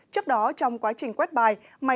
trước đó trong quá trình quét bài